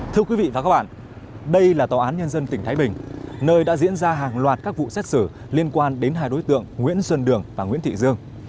thưa quý vị và các bạn đây là tòa án nhân dân tỉnh thái bình nơi đã diễn ra hàng loạt các vụ xét xử liên quan đến hai đối tượng nguyễn xuân đường và nguyễn thị dương